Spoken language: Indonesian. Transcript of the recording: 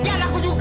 ya dan aku juga